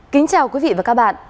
kính chào quý vị và các bạn